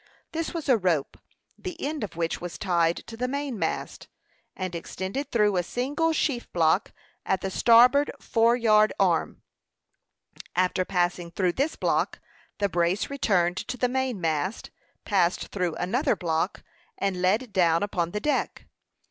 This was a rope, the end of which was tied to the main mast, and extended through a single sheaf block at the starboard fore yard arm. After passing through this block, the brace returned to the main mast, passed through another block, and led down upon the deck.